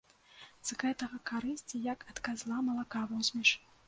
З гэтага карысці як ад казла малака возьмеш!